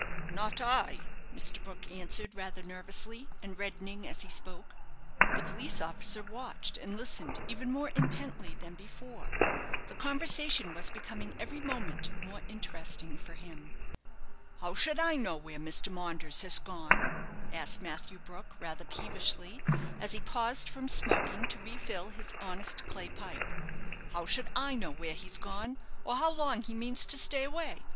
"Not I," Mr. Brook answered, rather nervously, and reddening as he spoke. The police officer watched and listened even more intently than before. The conversation was becoming every moment more interesting for him. "How should I know where Mr. Maunders has gone?" asked Matthew Brook, rather peevishly, as he paused from smoking to refill his honest clay pipe. "How should I know where he's gone, or how long he means to stay away?